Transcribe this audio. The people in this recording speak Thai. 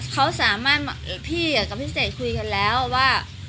เขาสามารถพี่กับพี่เสกคุยกันแล้วว่า